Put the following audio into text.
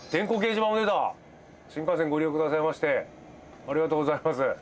「新幹線ご利用くださいましてありがとうございます」。